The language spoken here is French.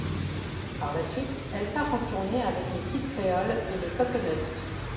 Par la suite, elle part en tournée avec Kid Creole et les Coconuts.